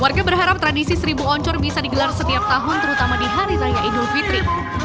warga berharap tradisi seribu oncor bisa digelar setiap tahun terutama di hari raya idul fitri